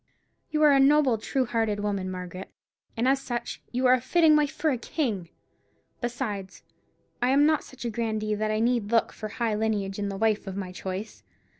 "You are a noble, true hearted woman, Margaret; and as such you are a fitting wife for a king. Besides, I am not such a grandee that I need look for high lineage in the wife of my choice.